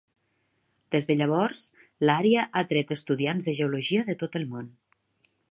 Des de llavors, l'àrea ha atret estudiants de geologia de tot el món.